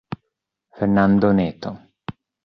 Fernando Neto